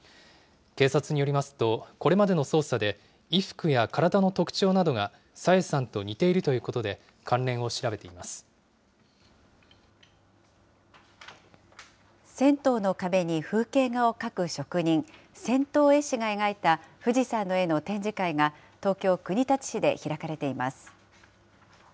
警察によりますと、これまでの捜査で、衣服や体の特徴などが朝芽さんと似ているということで、関銭湯の壁に風景画を描く職人、銭湯絵師が描いた富士山の絵の展示会が、東京・国立市で開かれています。